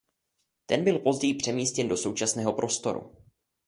Ten byl později přemístěn do současného prostoru.